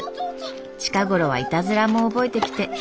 近頃はいたずらも覚えてきて。